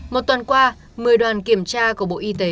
một tuần qua một mươi đoàn kiểm tra của bộ y tế